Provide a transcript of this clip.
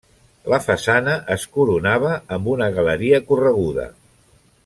La façana es coronava amb una galeria correguda.